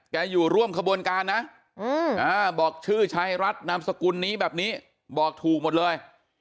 อยู่ร่วมขบวนการนะบอกชื่อชายรัฐนามสกุลนี้แบบนี้บอกถูกหมดเลย